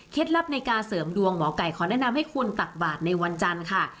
ลับในการเสริมดวงหมอไก่ขอแนะนำให้คุณตักบาทในวันจันทร์ค่ะ